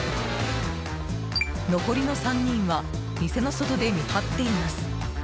残りの３人は店の外で見張っています。